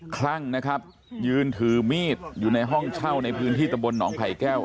คลั่งนะครับยืนถือมีดอยู่ในห้องเช่าในพื้นที่ตำบลหนองไผ่แก้ว